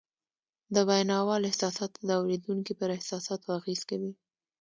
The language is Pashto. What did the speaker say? د ویناوال احساسات د اورېدونکي پر احساساتو اغېز کوي